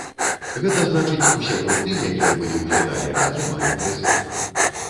Гэта значыць, усе гурты, якія былі ў фінале, атрымалі прызы.